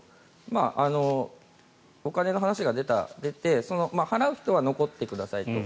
お金の話が出て払う人は残ってくださいと。